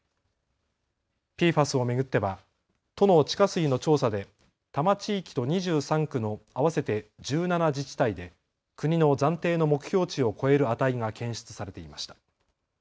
ＰＦＡＳを巡っては都の地下水の調査で多摩地域と２３区の合わせて１７自治体で国の暫定の目標値を超える値が検出されていました。